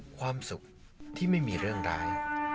ความสุขที่ไม่มีเรื่องร้าย